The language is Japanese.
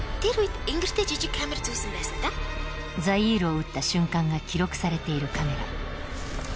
ザイールを撃った瞬間が記録されているカメラ